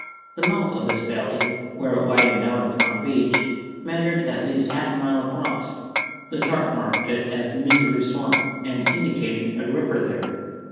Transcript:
The mouth of this valley, where it widened out upon the beach, measured at least half a mile across. The chart marked it as Misery Swamp, and indicated a river there.